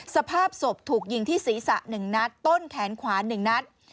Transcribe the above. สภาพศพถูกยิงที่ศีรษะ๑นัดต้นแขนขวา๑นัด